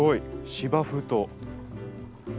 芝生と。